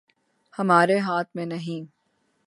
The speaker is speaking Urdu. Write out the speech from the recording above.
ہمارے ہاتھ میں نہیں ہے